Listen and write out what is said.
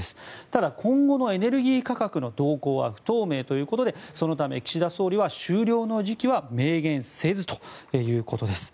ただ、今後のエネルギー価格の動向は不透明ということでそのため、岸田総理は終了の時期は明言せずということです。